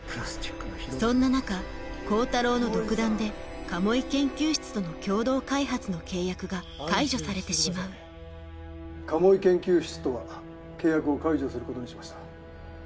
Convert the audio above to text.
・そんな中光太郎の独断で鴨居研究室との共同開発の契約が解除されてしまう鴨居研究室とは契約を解除することにしました。